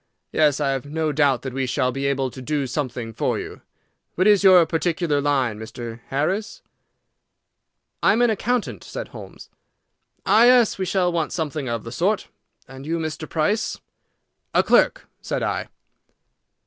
"Yes, I have no doubt that we shall be able to do something for you. What is your particular line, Mr. Harris?" "I am an accountant," said Holmes. "Ah yes, we shall want something of the sort. And you, Mr. Price?" "A clerk," said I.